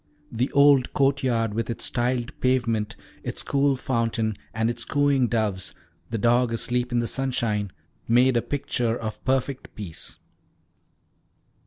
The old courtyard, with its tiled pavement, its cool fountain, and its cooing doves, the dog asleep in the sunshine, made a picture of perfect peace.